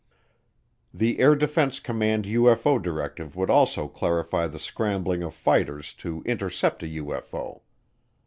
The Air Defense Command UFO directive would also clarify the scrambling of fighters to intercept a UFO.